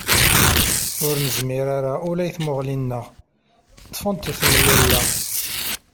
Ur nezmir ara ula i tmuɣli-nneɣ, ṭṭfent temlella.